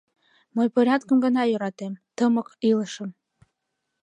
— Мый порядкым гына йӧратем, тымык илышым.